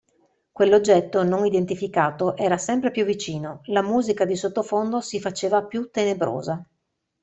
Quell'oggetto non identificato era sempre più vicino, la musica di sottofondo si faceva più tenebrosa.